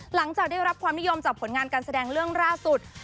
หลังจากได้รับความนิยมจากผลงานการแสดงเรื่องล่าสุด